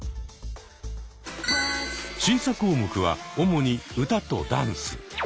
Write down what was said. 審査項目は主に歌とダンス。